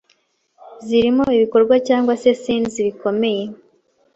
zirimo ibikorwa cyangwa se scenes bikomeye